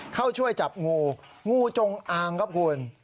เข้าช่วยจับงูงูจงอางครับคุณ